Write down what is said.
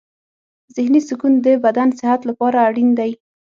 ذهني سکون د بدن صحت لپاره اړین دی.